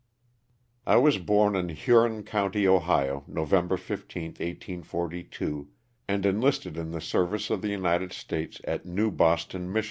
T WAS born in Huron county, Ohio, November 15, ^ 1842, and enlisted in the service of the United States at New Boston, Mich.